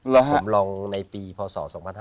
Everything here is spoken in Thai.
ผมลองในปีพศ๒๕๕๐